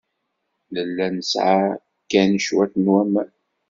Nella nesɛa kan cwiṭ n waman.